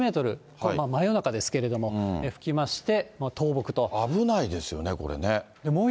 これ、真夜中ですけれども、吹き危ないですよね、これね。